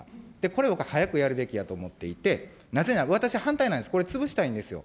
これ僕、早くやるべきやと思っていて、なぜなら私これ、反対なんです、潰したいんですよ。